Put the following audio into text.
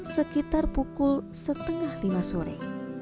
sekitar pukul setengah lima sore